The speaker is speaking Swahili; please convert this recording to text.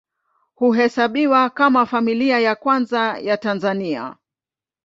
Huhesabiwa kama Familia ya Kwanza ya Tanzania.